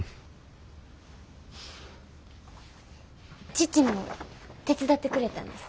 父も手伝ってくれたんです。